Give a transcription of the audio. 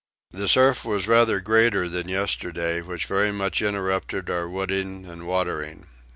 The surf was rather greater than yesterday which very much interrupted our wooding and watering.